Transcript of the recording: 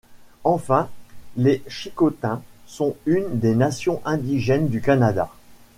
Enfin, les Chicotins sont une des nations indigènes du Canada.